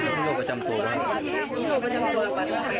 มึงมึงมึงมึงมึงมึงมึงมึงมึงมึงมึงมึงมึง